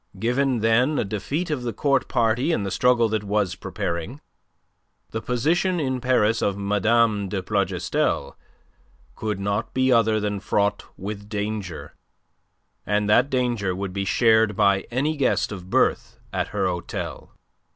Given, then, a defeat of the Court party in the struggle that was preparing, the position in Paris of Mme. de Plougastel could not be other than fraught with danger, and that danger would be shared by any guest of birth at her hotel.